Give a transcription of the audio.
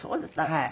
はい。